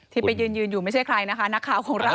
ไปยืนยืนอยู่ไม่ใช่ใครนะคะนักข่าวของเรา